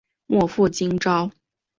莫负今朝！